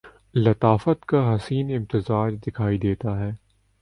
لطافت کا حسین امتزاج دکھائی دیتا ہے